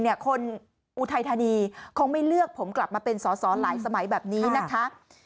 คนอุทัยธานีคงไม่เลือกผมกลับมาเป็นสอสอหลายสมัยแบบนี้นะคะ